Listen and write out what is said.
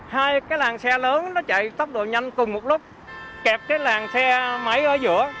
hai cái làng xe lớn nó chạy tốc độ nhanh cùng một lúc kẹp cái làng xe máy ở giữa